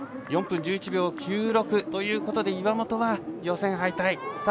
４分１１秒９６ということで岩本は予選敗退。